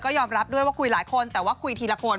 ยอมรับด้วยว่าคุยหลายคนแต่ว่าคุยทีละคน